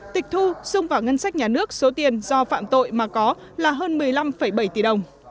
tịch thu xung vào ngân sách nhà nước số tiền do phạm tội mà có là hơn một mươi năm bảy tỷ đồng